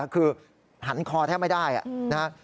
คือหันคอแทบไม่ได้นะครับ